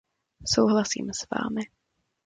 Souhlasím s vámi.